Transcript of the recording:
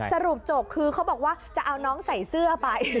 สรุปจบคือเขาบอกว่าจะเอาน้องใส่เสื้อไป